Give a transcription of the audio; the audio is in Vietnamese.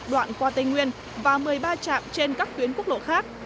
đoạn qua tây nguyên và một mươi ba trạm trên các tuyến quốc lộ khác